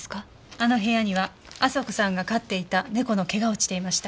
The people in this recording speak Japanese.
あの部屋には亜沙子さんが飼っていた猫の毛が落ちていました。